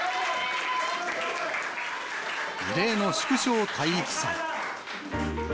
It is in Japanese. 異例の縮小体育祭。